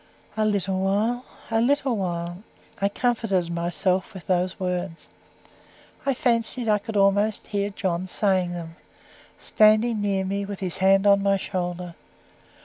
"A little while a little while." I comforted myself with those words. I fancied I could almost hear John saying them, standing near me, with his hand on my shoulder.